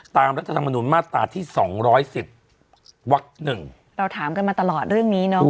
รัฐธรรมนุนมาตราที่สองร้อยสิบวักหนึ่งเราถามกันมาตลอดเรื่องนี้เนาะ